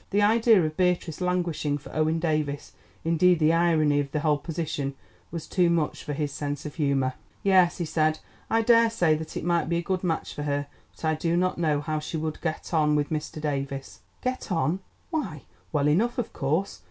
The idea of Beatrice languishing for Owen Davies, indeed the irony of the whole position, was too much for his sense of humour. "Yes," he said, "I daresay that it might be a good match for her, but I do not know how she would get on with Mr. Davies." "Get on! why, well enough, of course.